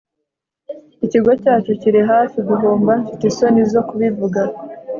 ikigo cyacu kiri hafi guhomba, mfite isoni zo kubivuga